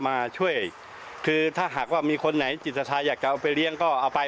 มาช่วยคือถ้าหากว่ามีคนไหนจิตทาอยากจะเอาไปเลี้ยงก็เอาไป